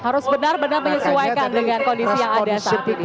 harus benar benar menyesuaikan dengan kondisi yang ada saat ini